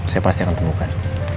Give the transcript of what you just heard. saya pasti akan temukan